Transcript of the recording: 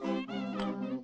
pertama suara dari biasusu